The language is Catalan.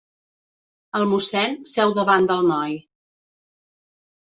El mossèn seu davant del noi.